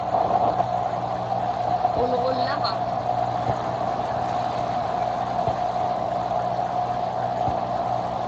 Ulġullava?